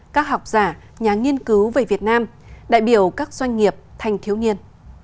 các học giả nhà nghiên cứu về việt nam đại biểu các doanh nghiệp thanh thiếu niên